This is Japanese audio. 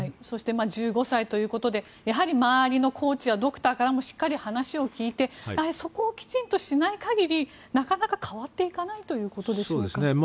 そして１５歳ということでやはり周りのコーチやドクターからもしっかり話を聞いてそこをきちんとしない限りなかなか変わっていかないということですよね。